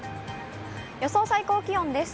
予想最高気温です。